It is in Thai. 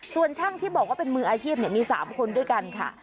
ส่วนช่างที่บอกว่าเป็นมืออาชีพมี๓คนด้วยกันค่ะ